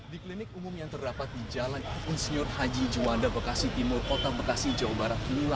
di klinik umum yang terdapat di jalan insinyur haji juanda bekasi timur kota bekasi jawa barat